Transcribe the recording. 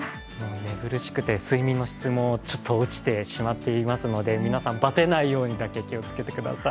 寝苦しくて睡眠の質もちょっと落ちてしまっているので皆さん、バテないようにだけお気をつけください。